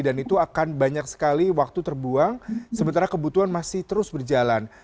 dan itu akan banyak sekali waktu terbuang sementara kebutuhan masih terus berjalan